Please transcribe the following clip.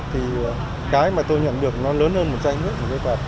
thì cái mà tôi nhận được nó lớn hơn một chai nước một cái quạt